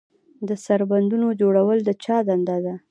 د سربندونو جوړول د چا دنده ده؟